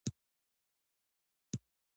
د ام او شیدو جوس ډیر خوړل کیږي.